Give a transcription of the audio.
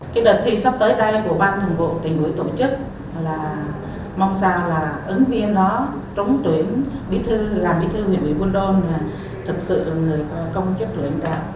cái đợt thi sắp tới đây của ban thường vụ tỉnh ủy tổ chức là mong sao là ứng viên đó trúng tuyển bí thư làm bí thư huyện ủy buôn đôn là thực sự là người công chức lãnh đạo